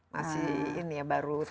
masih ini ya baru trial kan